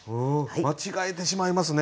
間違えてしまいますね